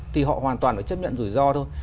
thì họ hoàn toàn phải chấp nhận rủi ro thôi